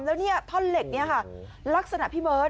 แล้วท่อเหล็กนี้ลักษณะพี่เบิ้ส